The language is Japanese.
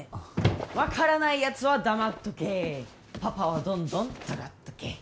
分からない奴は黙っとけパパはどんどん尖っとけ